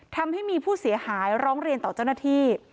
ทำให้มีผู้เสียหายร้องเรียนต่อเจ้าหน้าที่